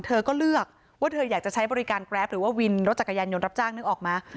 เธอก็เลือกว่าเธออยากจะใช้บริการแกรปหรือว่าวินรถจักรยานยนต์รับจ้างนึกออกมา